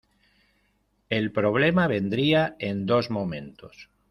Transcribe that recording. El problema vendría en dos momentos.